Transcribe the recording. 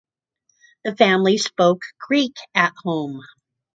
The family spoke Greek at home.